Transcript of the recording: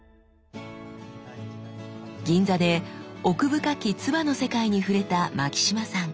銀座で奥深き鐔の世界に触れた牧島さん。